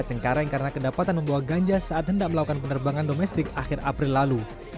cengkareng karena kedapatan membawa ganja saat hendak melakukan penerbangan domestik akhir april lalu